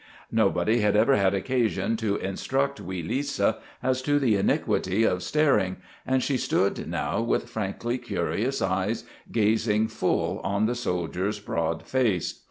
Nobody had ever had occasion to instruct wee Lisa as to the iniquity of staring, and she stood now with frankly curious eyes gazing full on the soldier's broad face.